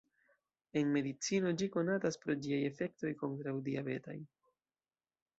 En medicino, ĝi konatas pro ĝiaj efektoj kontraŭ-diabetaj.